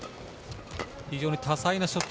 ポリイ、非常に多彩なショット。